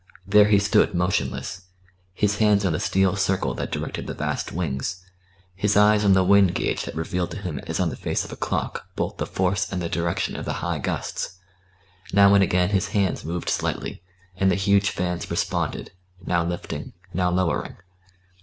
There he stood motionless, his hands on the steel circle that directed the vast wings, his eyes on the wind gauge that revealed to him as on the face of a clock both the force and the direction of the high gusts; now and again his hands moved slightly, and the huge fans responded, now lifting, now lowering.